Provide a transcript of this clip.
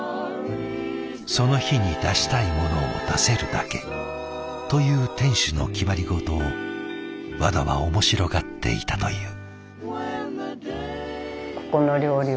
その日に出したいものを出せるだけという店主の決まり事をワダは面白がっていたという。